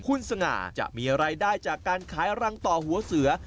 คุณสง่าจะมีรายได้จากการขายรังต่อหัวเสือ